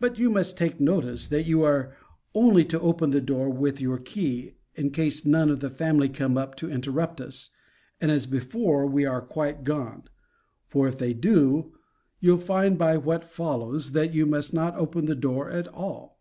But you must take notice, that you are only to open the door with your key, in case none of the family come up to interrupt us, and before we are quite gone: for, if they do, you'll find by what follows, that you must not open the door at all.